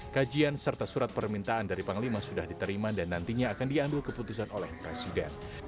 kajian serta surat permintaan dari panglima sudah diterima dan nantinya akan diambil keputusan oleh presiden